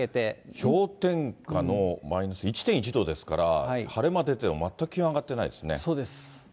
氷点下のマイナス１．１度ですから、晴れ間出ても全く気温上そうです。